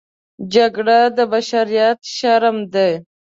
جګړه د بشریت شرم دی